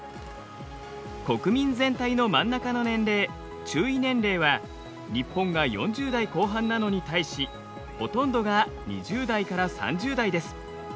国民全体の真ん中の年齢中位年齢は日本が４０代後半なのに対しほとんどが２０代から３０代です。